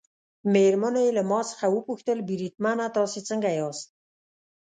مېرمنې یې له ما څخه وپوښتل: بریدمنه تاسي څنګه یاست؟